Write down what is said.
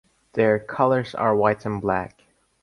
Their colours are white and black.